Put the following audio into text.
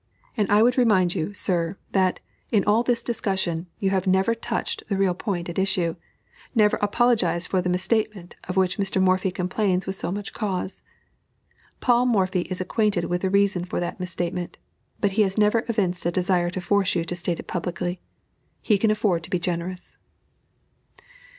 And I would remind you, sir, that, in all this discussion, you have never touched the real point at issue never apologized for the misstatement of which Mr. Morphy complains with so much cause. Paul Morphy is acquainted with the reason for that misstatement, but he has never evinced a desire to force you to state it publicly. He can afford to be generous."